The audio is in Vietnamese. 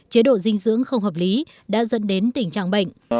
chế độ dinh dưỡng không hợp lý đã dẫn đến tình trạng bệnh